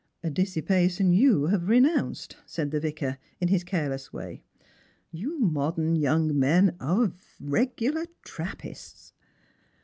" A dissipation you have renounced," said the Vicar, iu his careless way. " You modern young men are regular Trappists!"